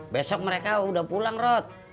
besok mereka udah pulang rod